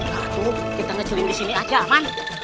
nah itu kita mencuri di sini saja aman